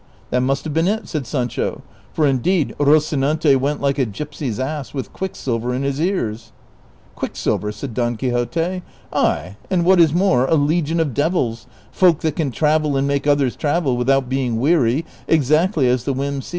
" That must have been it," said Sancho, " for indeed Roci nante went like a g3'psy''s ass with quicksilver in his ears." '• Quicksilver !" said Don Quixote, •' ay, and what is more, a legion of devils, folk that can travel and make others travel without being weary, exactly as the whim seizes them.